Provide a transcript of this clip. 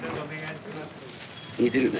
似てるね。